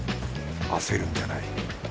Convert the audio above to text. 焦るんじゃない。